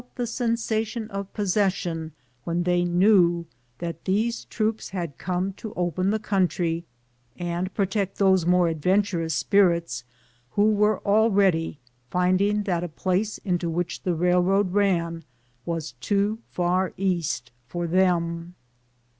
the sensation of possession when they knew that these troops liad come to open the country and protect those more adventurous spirits who were already finding that a place into which the railroad ran was too far East for them.